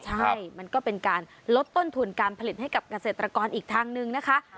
ใช่มันก็เป็นการลดต้นทุนการผลิตให้กับเกษตรกรอีกทางนึงนะคะ